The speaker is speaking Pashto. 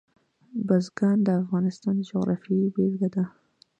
بزګان د افغانستان د جغرافیې بېلګه ده.